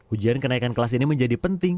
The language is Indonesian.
ujian kenaikan kelas ini menjadi penting